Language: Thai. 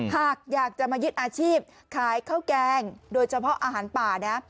หากอยากจะมายึดอาชีพขายข้าวแกงโดยเฉพาะอาหารป่านะ